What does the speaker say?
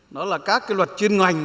đó là các luật chuyên ngành